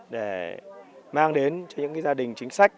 để mang đến cho những gia đình chính sách